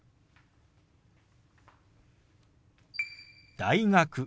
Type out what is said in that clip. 「大学」。